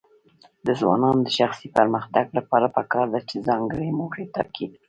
د ځوانانو د شخصي پرمختګ لپاره پکار ده چې ځانګړي موخې ټاکي.